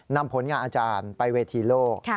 ผลงานอาจารย์ไปเวทีโลก